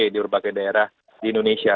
di berbagai daerah di indonesia